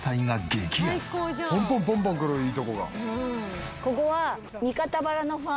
ポンポンポンポンくるいいところが。